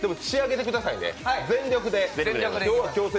でも仕上げてくださいね、全力で。